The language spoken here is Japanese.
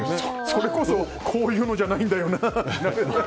それこそこういうのじゃないんだよなって。